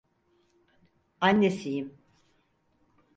Annesiyim.